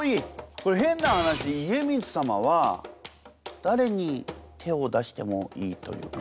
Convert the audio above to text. これ変な話家光様は誰に手を出してもいいというか。